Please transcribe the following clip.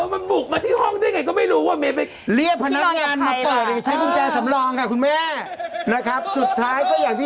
มันบุกมาที่ห้องได้อย่างไรก็ไม่รู้ว่าเมฆไป